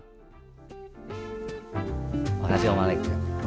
terima kasih om alec